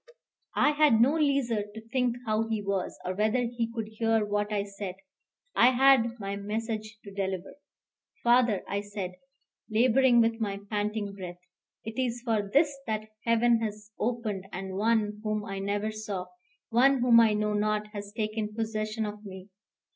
I had no leisure to think how he was, or whether he could hear what I said. I had my message to deliver. "Father," I said, laboring with my panting breath, "it is for this that heaven has opened, and one whom I never saw, one whom I know not, has taken possession of me.